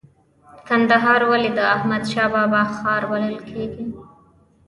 کندهار ولې د احمد شاه بابا ښار بلل کیږي؟